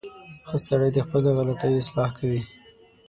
• ښه سړی د خپلو غلطیو اصلاح کوي.